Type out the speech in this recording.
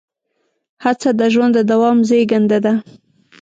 هڅه د ژوند د دوام زېږنده ده.